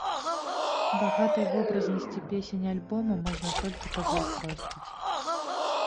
Багатай вобразнасці песень альбома можна толькі пазайздросціць.